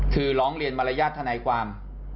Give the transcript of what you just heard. คือร้องเรียนมารยาทนายความ